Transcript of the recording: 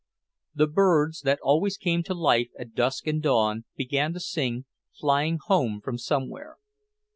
The birds, that always came to life at dusk and dawn, began to sing, flying home from somewhere.